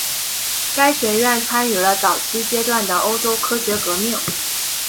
该学院参与了早期阶段的欧洲科学革命。